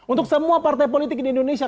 untuk semua partai politik di indonesia